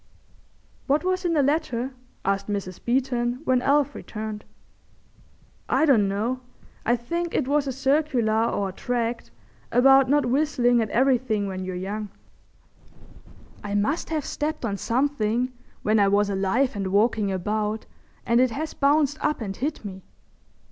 "What was in the letter?" asked Mrs. Beeton, when Alf returned. "I don't know. I think it was a circular or a tract about not whistlin' at everything when you're young." "I must have stepped on something when I was alive and walking about and it has bounced up and hit me.